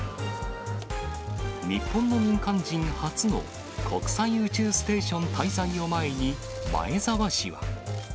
日本の民間人初の国際宇宙ステーション滞在を前に、前澤氏は。